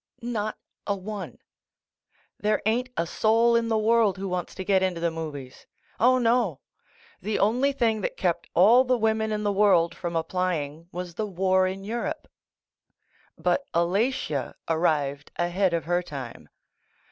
Not a one. There ain't a soul in the world who wants to get into the movies. C)li, no ! The only thing that kept all the women in the world from applying was the war in Europe. But Alatia arrived ahead of her time.